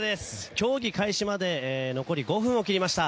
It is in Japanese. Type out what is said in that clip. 競技開始まで残り５分を切りました。